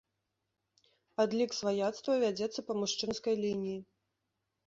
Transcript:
Адлік сваяцтва вядзецца па мужчынскай лініі.